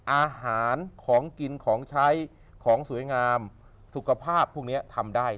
อาหารของกินของใช้ของสวยงามสุขภาพพวกนี้ทำได้